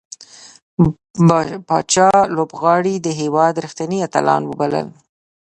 پاچا لوبغاړي د هيواد رښتينې اتلان وبلل .